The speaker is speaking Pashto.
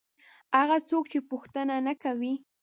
هغه څوک چې پوښتنه نه کوي.